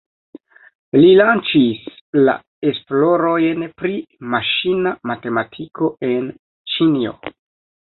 Li lanĉis la esplorojn pri maŝina matematiko en Ĉinio.